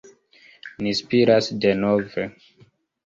Ni spiras denove.